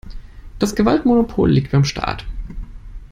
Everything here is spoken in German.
Das Gewaltmonopol liegt beim Staat.